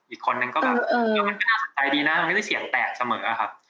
อีกคนนึงก็แบบมันก็ไม่น่าสนใจดีนะมันก็จะได้เสียงแตกเสมอค่ะ